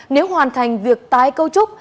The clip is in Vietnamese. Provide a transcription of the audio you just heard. nếu hoàn thành việc tái câu trúc